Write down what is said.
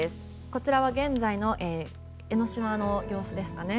こちらは現在の江の島の様子ですかね。